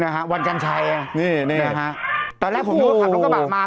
นะฮะวัรกัญชัยอ่ะนี่นะฮะตอนแรกของตัวคอมพิวคับรถกระบาดมาโห